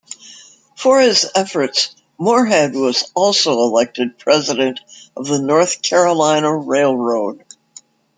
For his efforts, Morehead was also elected president of the North Carolina Railroad.